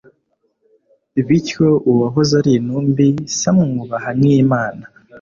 bityo uwahoze ari intumbi, se amwubaha nk'imana